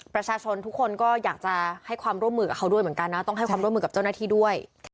ประชาชนทุกคนก็อยากจะให้ความร่วมมือกับเขาด้วยเหมือนกันนะต้องให้ความร่วมมือกับเจ้าหน้าที่ด้วย